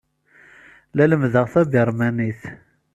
La lemmdeɣ tabirmanit.